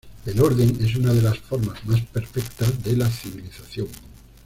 El orden es una de las formas más perfectas de la civilización".